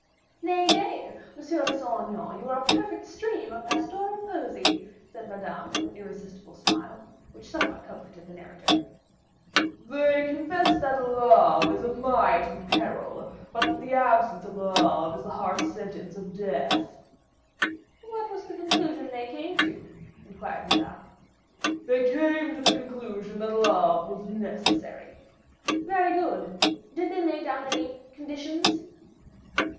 "Nay, nay! Monsieur de Saint Aignan, you are a perfect stream of pastoral poesy," said Madame, with an amiable smile, which somewhat comforted the narrator. "They confessed that love is a mighty peril, but that the absence of love is the heart's sentence of death." "What was the conclusion they came to?" inquired Madame. "They came to the conclusion that love was necessary." "Very good! Did they lay down any conditions?"